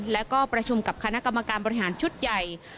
แล้วก็ประชุมกับคณะกรรมการบริหารชุดใหญ่